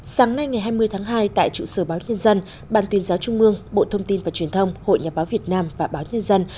sáng nay ngày hai mươi tháng hai tại trụ sở báo nhân dân ban tuyên giáo trung mương bộ thông tin và truyền thông hội nhà báo việt nam và báo nhân dân